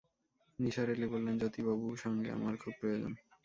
নিসার আলি বললেন, জ্যোতিবাবুর সঙ্গে আমার খুব প্রয়োজন।